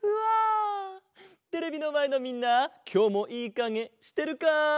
テレビのまえのみんなきょうもいいかげしてるか？